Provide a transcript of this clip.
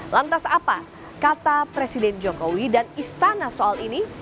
lantas apa kata presiden jokowi dan istana soal ini